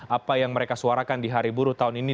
apa yang mereka suarakan di hari buruh tahun ini